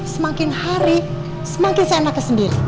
semakin hari semakin seenaknya sendiri